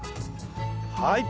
はい。